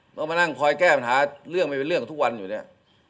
มานั่งคอยแก้ปัญหาเรื่องไม่เป็นเรื่องทุกวันอยู่เนี่ย